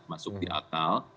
masuk di akal